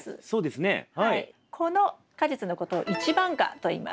この果実のことを一番果といいます。